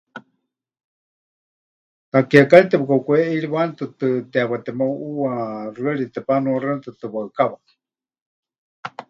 Takiekari tepɨkaʼukuʼeʼeiriwani tɨtɨ, teewa temeuʼuuwa xɨari tepanuaxɨani tɨtɨ waɨkawa.